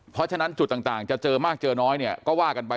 เพราะฉะนั้นจุดต่างจะเจอมากเจอน้อยเนี่ยก็ว่ากันไป